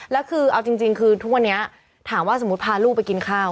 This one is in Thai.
แล้วคือเอาจริงคือทุกวันนี้ถามว่าสมมุติพาลูกไปกินข้าว